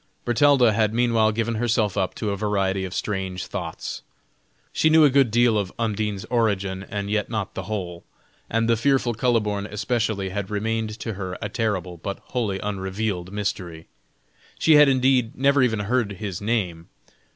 Bertalda had meanwhile given herself up to a variety of strange thoughts. She knew a good deal of Undine's origin, and yet not the whole, and the fearful Kuhleborn especially had remained to her a terrible but wholly unrevealed mystery. She had indeed never even heard his name.